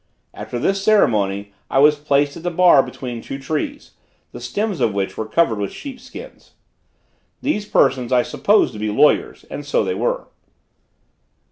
After this ceremony I was placed at the bar between two trees, the stems of which were covered with sheep skins. These persons I supposed to be lawyers, and so they were.